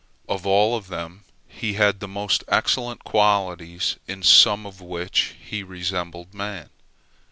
Of all of them he had the most excellent qualities, in some of which he resembled man.